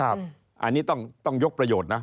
อันนี้ต้องยกประโยชน์นะ